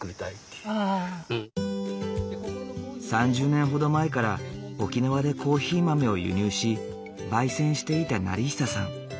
３０年ほど前から沖縄でコーヒー豆を輸入し焙煎していた業久さん。